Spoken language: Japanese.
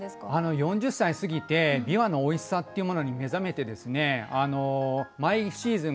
４０歳過ぎてびわのおいしさっていうものに目覚めてですね毎シーズン